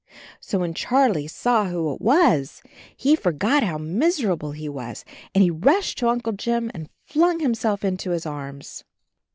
So when Charlie saw who it was, he forgot 56 CHARLIE how miserable he was, and he rushed to Uncle Jim and flung himself into his arms.